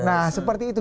nah seperti itu